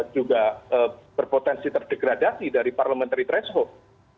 juga berpotensi terdegradasi dari parliamentary threshold